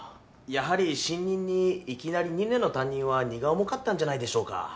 やはり新任にいきなり２年の担任は荷が重かったんじゃないでしょうか